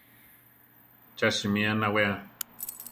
¿Cha simí anawea!